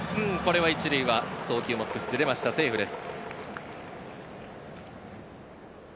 １塁は送球少しずれました、セーフです。